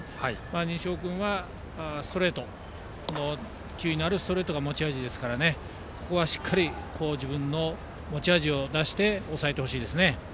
西尾君は球威のあるストレートが持ち味ですからしっかり自分の持ち味を出して抑えてほしいですね。